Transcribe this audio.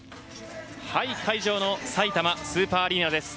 会場のさいたまスーパーアリーナです。